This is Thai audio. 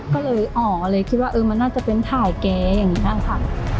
ก็เลยอ๋อเลยคิดว่าเออมันน่าจะเป็นถ่ายแกอย่างนี้ค่ะ